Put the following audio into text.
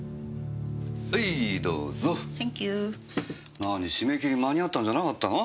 何締め切り間に合ったんじゃなかったの？